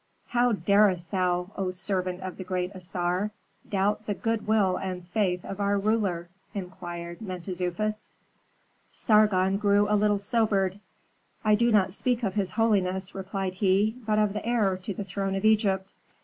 "How darest thou, O servant of the great Assar, doubt the good will and faith of our ruler?" inquired Mentezufis. Sargon grew a little sobered. "I do not speak of his holiness," replied he, "but of the heir to the throne of Egypt."